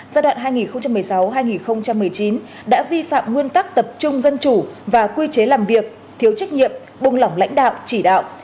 giai đoạn hai nghìn một mươi sáu hai nghìn một mươi chín đã vi phạm nguyên tắc tập trung dân chủ và quy chế làm việc thiếu trách nhiệm buông lỏng lãnh đạo chỉ đạo